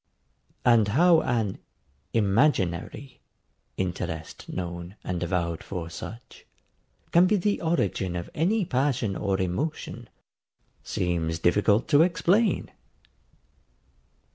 And how an IMAGINARY interest known and avowed for such, can be the origin of any passion or emotion, seems difficult to explain.